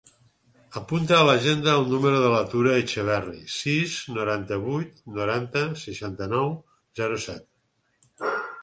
Apunta a l'agenda el número de la Tura Echeverri: sis, noranta-vuit, noranta, seixanta-nou, zero, set.